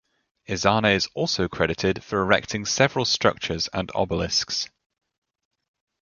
Ezana is also credited for erecting several structures and obelisks.